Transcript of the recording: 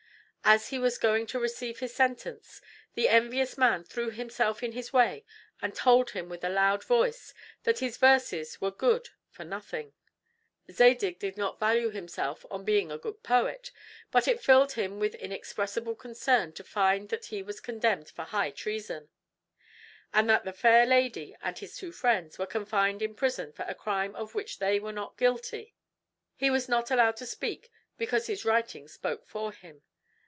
As he was going to receive his sentence, the envious man threw himself in his way and told him with a loud voice that his verses were good for nothing. Zadig did not value himself on being a good poet; but it filled him with inexpressible concern to find that he was condemned for high treason; and that the fair lady and his two friends were confined in prison for a crime of which they were not guilty. He was not allowed to speak because his writing spoke for him.